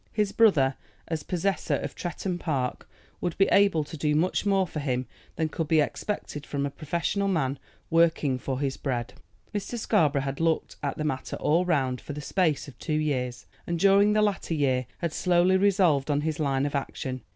His brother, as possessor of Tretton Park, would be able to do much more for him than could be expected from a professional man working for his bread. Mr. Scarborough had looked at the matter all round for the space of two years, and during the latter year had slowly resolved on his line of action.